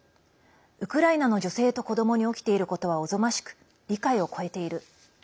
ウクライナの女性と子どもに起きていることはおぞましく、理解を超えている。